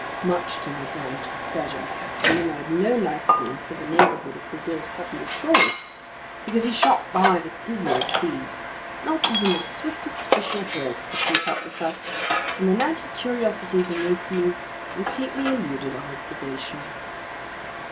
Much to Ned Land's displeasure, Captain Nemo had no liking for the neighborhood of Brazil's populous shores, because he shot by with dizzying speed. Not even the swiftest fish or birds could keep up with us, and the natural curiosities in these seas completely eluded our observation.